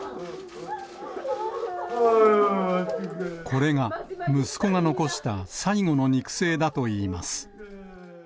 これが息子が残した最後の肉声だといいます。